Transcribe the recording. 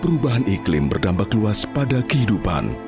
perubahan iklim berdampak luas pada kehidupan